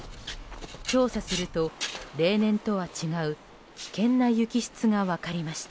調査すると、例年とは違う危険な雪質が分かりました。